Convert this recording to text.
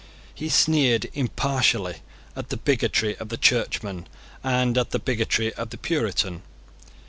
He sneered impartially at the bigotry of the Churchman and at the bigotry of the Puritan.